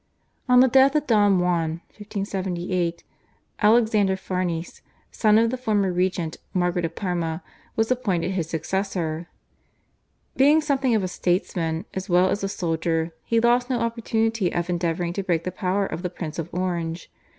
On the death of Don Juan (1578) Alexander Farnese, son of the former regent Margaret of Parma, was appointed his successor. Being something of a statesman as well as a soldier he lost no opportunity of endeavouring to break the power of the Prince of Orange.